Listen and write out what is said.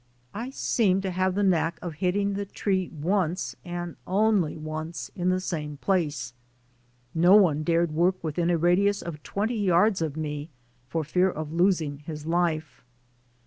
I seemed to have the knack of hitting the tree once and only once in the same place. No one dared work with 86 THE SOUL OF AN IMMIGRANT in a radius of twenty yards of me for fear of losing his life.